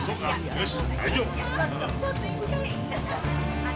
よし！